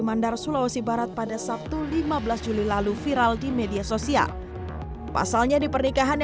mandar sulawesi barat pada sabtu lima belas juli lalu viral di media sosial pasalnya di pernikahan